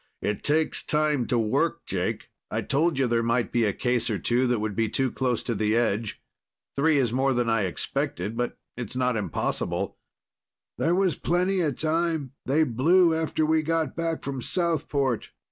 "It takes time to work, Jake. I told you there might be a case or two that would be too close to the edge. Three is more than I expected; but it's not impossible." "There was plenty of time. They blew after we got back from Southport."